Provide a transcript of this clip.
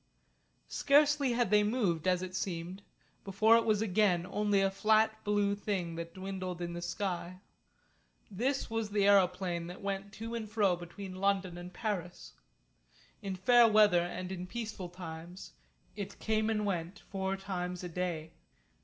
Scarcely had they moved, as it seemed, before it was again only a flat blue thing that dwindled in the sky. This was the aeroplane that went to and fro between London and Paris. In fair weather and in peaceful times it came and went four times a day.